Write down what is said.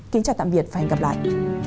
kính chào tạm biệt và hẹn gặp lại